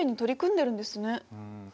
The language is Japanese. うん。